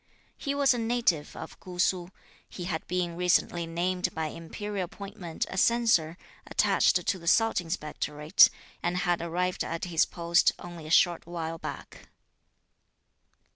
He was a native of Kú Su. He had been recently named by Imperial appointment a Censor attached to the Salt Inspectorate, and had arrived at his post only a short while back.